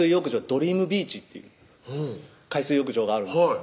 ドリームビーチっていう海水浴場があるんです